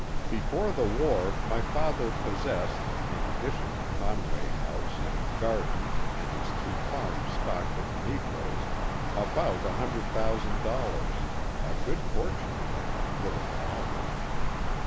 Before the war my father possessed, in addition to Conway House and gardens and his two farms stocked with negroes, about f 100,000, — a good fortune then in little Falmouth.